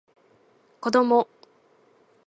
子供